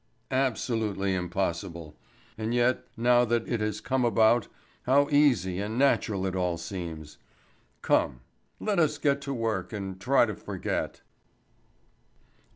"Absolutely impossible. And yet now that it has come about, how easy and natural it all seems! Come, let us get to work and try to forget."